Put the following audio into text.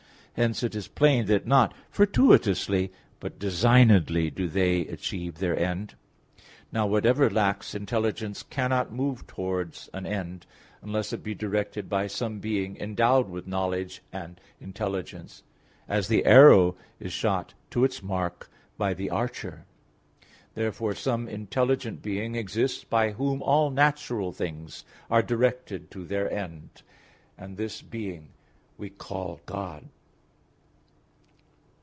Hence it is plain that not fortuitously, but designedly, do they achieve their end. Now whatever lacks intelligence cannot move towards an end, unless it be directed by some being endowed with knowledge and intelligence; as the arrow is shot to its mark by the archer. Therefore some intelligent being exists by whom all natural things are directed to their end; and this being we call God.